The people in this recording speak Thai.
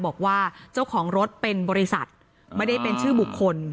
บอกว่าเจ้าของรถเป็นบริษัทไม่ได้เป็นชื่อบุคคล